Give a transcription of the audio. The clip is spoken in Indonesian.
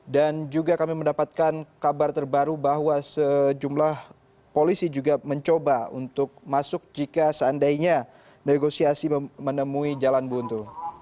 dan juga kami mendapatkan kabar terbaru bahwa sejumlah polisi juga mencoba untuk masuk jika seandainya negosiasi menemui jalan buntu